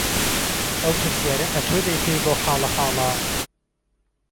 ئەو پرسیاره ئەتۆ دهیکەی بەو حاڵهحاڵه